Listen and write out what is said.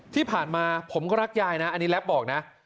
ที่ผ่านมาผมก็รักยายนะอันนี้แรปบอกนะ